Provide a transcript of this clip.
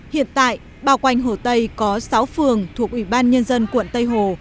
hiện tại bao quanh hồ tây có sáu phường thuộc ủy ban nhân dân quận tây hồ